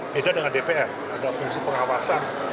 beda dengan dpr ada fungsi pengawasan